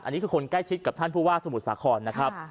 อันนี้คือคนใกล้ชิดกับท่านผู้ว่าสมุทรสาครนะครับ